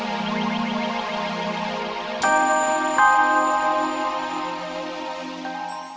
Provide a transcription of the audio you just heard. aku gak sengaja mama